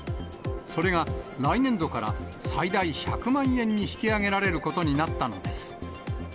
それが来年度から、最大１００万円に引き上げられることになったのです。